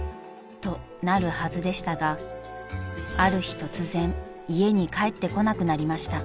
［となるはずでしたがある日突然家に帰ってこなくなりました］